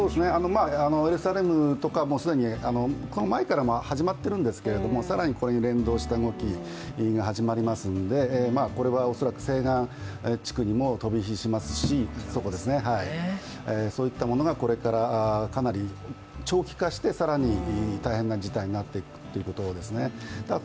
エルサレムとかも既に前からも始まっているんですけれども更にこれに連動した動きが始まりますので、これは恐らく西岸地区にも飛び火しますし、そういったものがこれからかなり長期化して更に大変な事態になっていくということです。